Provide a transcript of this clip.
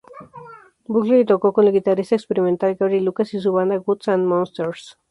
Buckley tocó con el guitarrista experimental Gary Lucas y su banda Gods and Monsters.